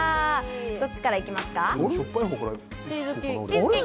どっちから行きますか？